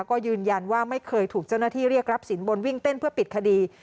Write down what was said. ก็ยืนยันว่าไม่เคยถูกเจ้าหน้าที่เรียกรับสินบนวิ่งเต้นเพื่อปิดคดี